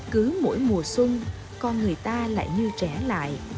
cứ mỗi mùa xuân con người ta lại như trẻ lại